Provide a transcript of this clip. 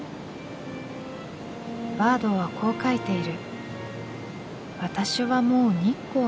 バードはこう書いている。